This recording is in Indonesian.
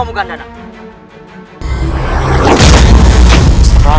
aku sudah berhasil mencari penyulingmu